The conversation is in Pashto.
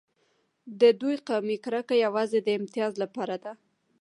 د دوی قومي کرکه یوازې د امتیاز لپاره ده.